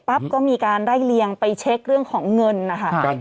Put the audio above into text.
ปั๊บก็มีการไร่เลี้ยงไปเช็กเรื่องของเงินอะค่ะ